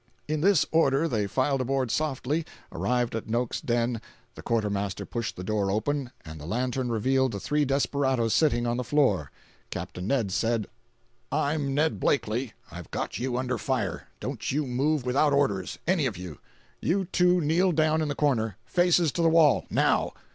In this order they filed aboard softly, arrived at Noakes's den, the quartermaster pushed the door open, and the lantern revealed the three desperadoes sitting on the floor. Capt. Ned said: 355.jpg (93K) "I'm Ned Blakely. I've got you under fire. Don't you move without orders—any of you. You two kneel down in the corner; faces to the wall—now.